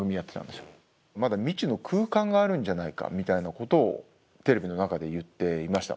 まだ未知の空間があるんじゃないかみたいなことをテレビの中で言っていました。